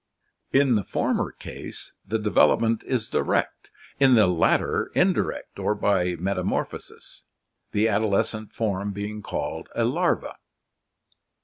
In the former case the development is direct, in the latter indirect or by metamorphosis, the adolescent form being called a larva.